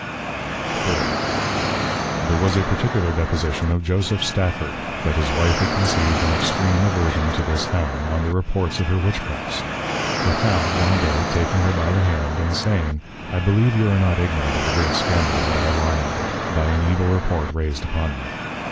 IV. There was a particular Deposition of Joseph Stafford, That his Wife had conceived an extream Aversion to this How, on the Reports of her Witchcrafts: But How one day, taking her by the Hand, and saying, _I believe you are not ignorant of the great Scandal that I lye under, by an evil Report raised upon me.